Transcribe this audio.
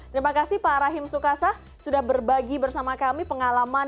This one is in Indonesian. terima kasih pak rahim sukasa sudah berbagi bersama kami pengalaman